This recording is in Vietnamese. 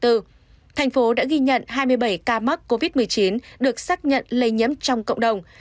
thành phố đã ghi nhận hai mươi bảy ca mắc covid một mươi chín được xác nhận lây nhiễm trong cộng đồng